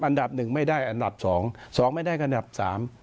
อันดับหนึ่งไม่ได้อันดับสองสองไม่ได้อันดับสาม